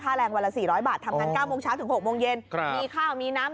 แรงวันละ๔๐๐บาททำงาน๙โมงเช้าถึง๖โมงเย็นมีข้าวมีน้ำ